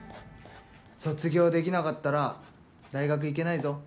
卒業できなかったら大学行けないぞ。